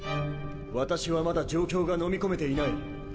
私はまだ状況がのみ込めていない。